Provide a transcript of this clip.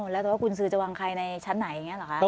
แล้วแต่ว่ากุญสือจะวางใครในชั้นไหนอย่างนี้หรอคะ